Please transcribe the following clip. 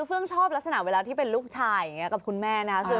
เพิ่งชอบลักษมะเวลาที่เป็นลูกชายโดยอยู่กับคุณแม่นะ